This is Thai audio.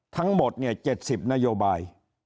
ทั้งหมด๗๐นโยบาย